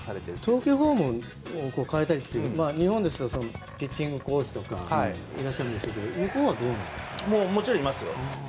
投球フォームを変えたりというのは、日本だとピッチングコーチとかいらっしゃるんでしょうけどもちろんいますよ。